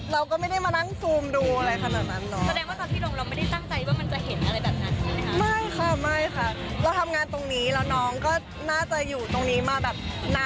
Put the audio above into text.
เอ๊ยยังไงนะเจมส์